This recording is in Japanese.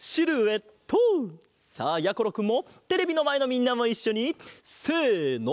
さあやころくんもテレビのまえのみんなもいっしょにせの！